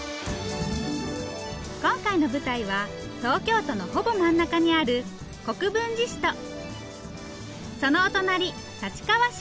今回の舞台は東京都のほぼ真ん中にある国分寺市とそのお隣立川市。